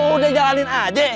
udah jalanin aja